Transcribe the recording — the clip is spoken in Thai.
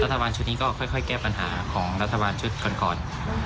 รัฐบาลชุดนี้ก็ค่อยแก้ปัญหาของรัฐบาลชุดก่อน